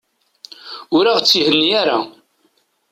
Ur aɣ-itthenni ara.